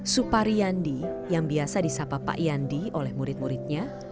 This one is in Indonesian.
supary yandi yang biasa disapa pak yandi oleh murid muridnya